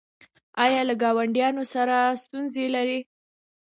ایا له ګاونډیانو سره ستونزې لرئ؟